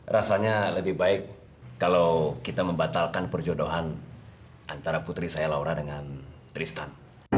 rasanya lebih baik kalau kita membatalkan perjodohan antara putri saya laura dengan tristan